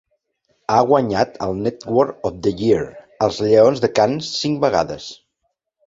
Ha guanyat el "Network of the Year" als lleons de Cannes cinc vegades.